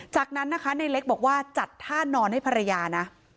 จากนั้นนะคะในเล็กบอกว่าจัดท่านอนให้ภรรยานะ